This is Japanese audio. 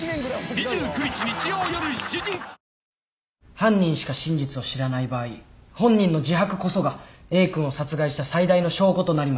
⁉犯人しか真実を知らない場合本人の自白こそがＡ君を殺害した最大の証拠となります。